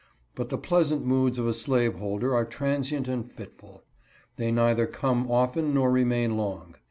But the pleasant moods of a slaveholder are tran sient and fitful. They neither come often nor remain long.